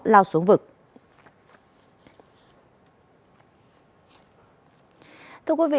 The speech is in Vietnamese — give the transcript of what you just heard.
lao xuống vực